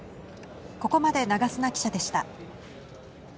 ここまで長砂記者でした。